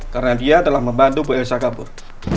karena dia telah membantu bu elsa kabur